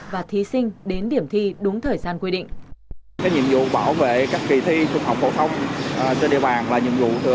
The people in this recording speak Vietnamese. và thí sinh đến điểm thi đúng thời gian quy định